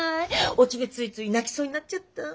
オチでついつい泣きそうになっちゃった。